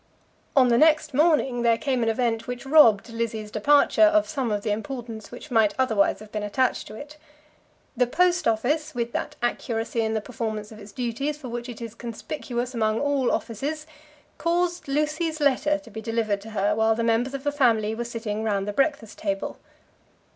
On the next morning there came an event which robbed Lizzie's departure of some of the importance which might otherwise have been attached to it. The post office, with that accuracy in the performance of its duties for which it is conspicuous among all offices, caused Lucy's letter to be delivered to her while the members of the family were sitting round the breakfast table.